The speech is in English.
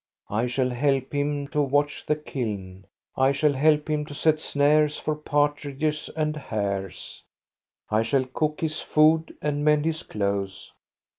I shall help him to watch the kiln, I shall help him to set snares for partridges and hares, I shall cook his food and mend his clothes.